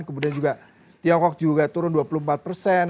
kemudian juga tiongkok juga turun dua puluh empat persen